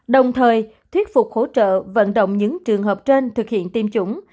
đồng thời thuyết phục hỗ trợ vận động những trường hợp trên thực hiện tiêm chủng